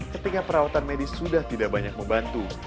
ketika perawatan medis sudah tidak banyak membantu